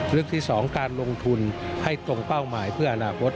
เรื่องที่๒การลงทุนให้ตรงเป้าหมายเพื่ออนาคต